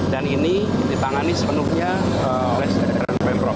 dan ini dipangani sepenuhnya oleh sekretariat pemprov